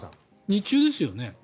日中ですよね。